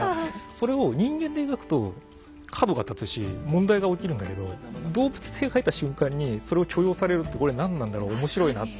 それを人間で描くと角が立つし問題が起きるんだけど動物で描いた瞬間にそれを許容されるってこれ何なんだろう面白いなって。